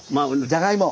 じゃがいも。